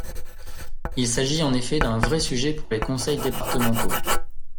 Il s’agit en effet d’un vrai sujet pour les conseils départementaux.